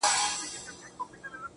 ځمه گريوان پر سمندر باندي څيرم.